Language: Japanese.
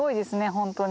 本当に。